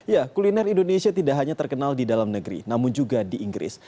ya kuliner indonesia tidak hanya terkenal di dalam negeri namun juga di inggris